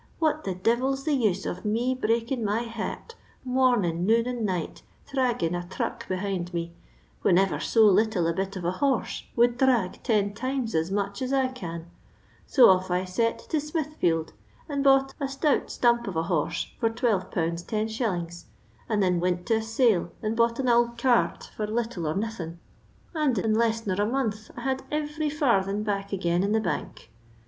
What the divil's the use of me hreakjn my heart momin, noon, and night, dhrag gin a thruck behind me, whin ever so little a bit of a ^orse would dhrag ten time as much as I can 1 so off I set to Smithfield, and bought a •tout stomp of a horse for 12/. 10«., and thin wint to a sale and bought an ould cart for little or Botbin, and in less nor a month I had every &rthin back again in the bank.